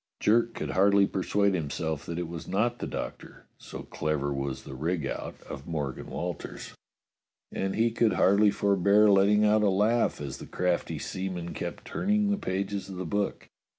Jerk could hardly persuade himself that it was not the Doctor, so clever was the rig out of Morgan Walters, and he could hardly forbear letting out a laugh as the crafty seaman kept turning the pages of the book.